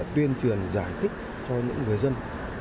tuyên truyền giải thích cho những người dân